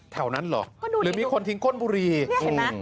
แถวนั้นเหรอหรือมีคนทิ้งข้นบุรีเพื่อดูเอง